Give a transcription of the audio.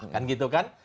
kan gitu kan